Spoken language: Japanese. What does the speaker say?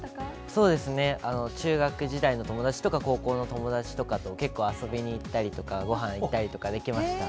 そうですね、中学時代の友達とか、高校の友達とかと結構遊びに行ったりとか、ごはん行ったりとかできました。